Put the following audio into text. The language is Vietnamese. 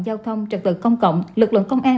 giao thông trật tự công cộng lực lượng công an